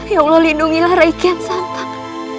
ya allah lindungilah rai kian santang